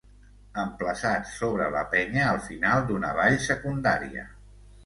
Emplaçat sobre la penya al final d'una vall secundària.